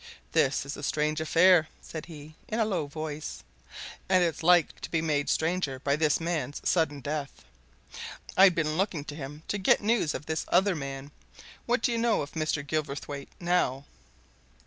"This is a strange affair," said he, in a low voice; "and it's like to be made stranger by this man's sudden death. I'd been looking to him to get news of this other man. What do you know of Mr. Gilverthwaite, now?"